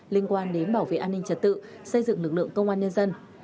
liên quan đến bảo vệ an ninh trật tự xây dựng lực lượng công an nhân dân